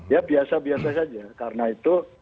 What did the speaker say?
ya biasa biasa saja karena itu